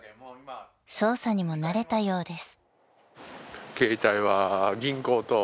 ［操作にも慣れたようです］